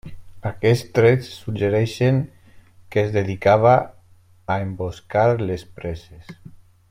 Aquests trets suggereixen que es dedicava a emboscar les preses.